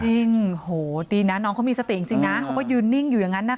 โหดีนะน้องเขามีสติจริงนะเขาก็ยืนนิ่งอยู่อย่างนั้นนะคะ